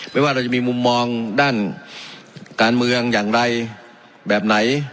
ว่าเราจะมีมุมมองด้านการเมืองอย่างไรแบบไหน